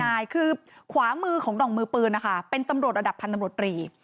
เพราะมันคือขวามือหนองมือปือนะคะเป็นตำรวจระดับพันธ์ตำรวจปี